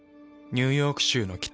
ニューヨーク州の北。